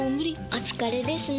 お疲れですね。